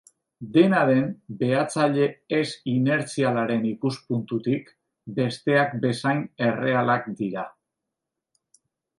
Dena den, behatzaile ez-inertzialaren ikuspuntutik, besteak bezain errealak dira.